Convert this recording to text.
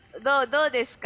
どうですか？